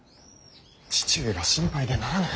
父上が心配でならぬ。